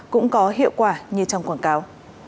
cũng có hiệu quả như trong quảng cáo